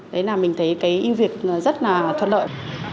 đấy là mình thấy cái ưu việt rất là thuận lợi